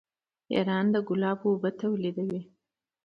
ایران د ګلابو اوبه تولیدوي.